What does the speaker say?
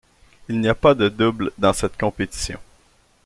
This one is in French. Il n'y a plus de double dans cette compétition.